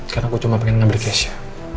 karena gue cuma pengen ngeberkes ya